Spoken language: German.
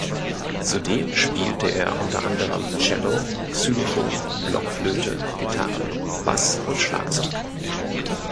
Zudem spielte er unter anderem Cello, Xylophon, Blockflöte, Gitarre, Bass und Schlagzeug.